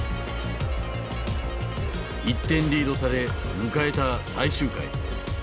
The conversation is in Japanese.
１点リードされ迎えた最終回。